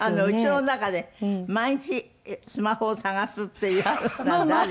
うちの中で毎日スマホを捜すっていうのは誰？